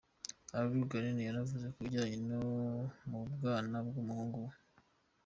Alia Ghanem yavuze ku bijyanye no mu bwana bw'umuhungu we.